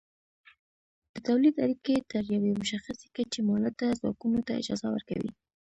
د تولید اړیکې تر یوې مشخصې کچې مؤلده ځواکونو ته اجازه ورکوي.